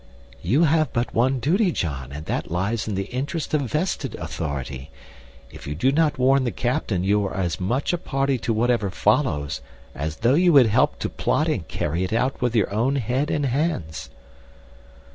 "You have but one duty, John, and that lies in the interest of vested authority. If you do not warn the captain you are as much a party to whatever follows as though you had helped to plot and carry it out with your own head and hands."